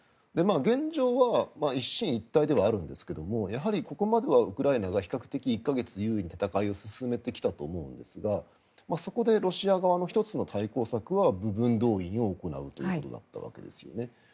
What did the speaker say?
現状は一進一退ではあるんですけどもやはりここまではウクライナが比較的１か月優位に戦いを進めてきたと思うんですがそこでロシア側の１つの対抗策は部分動員を行うということだったわけですよね。